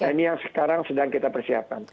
nah ini yang sekarang sedang kita persiapkan